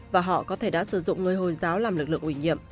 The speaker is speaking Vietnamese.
và họ có thể đã sử dụng người hồi giáo làm lực lượng